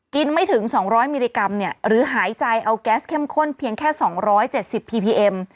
ไม่ถึง๒๐๐มิลลิกรัมเนี่ยหรือหายใจเอาแก๊สเข้มข้นเพียงแค่๒๗๐พีพีเอ็ม